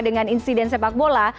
dengan insiden sepak bola